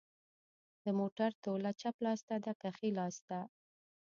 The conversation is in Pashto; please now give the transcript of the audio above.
د موټر توله چپ لاس ته ده که ښي لاس ته